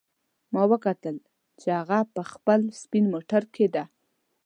ما وکتل چې هغه په خپل سپین موټر کې ده